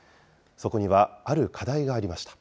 そこにはある課題がありました。